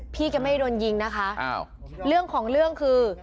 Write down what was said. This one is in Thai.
แกไม่ได้โดนยิงนะคะเรื่องของเรื่องคือ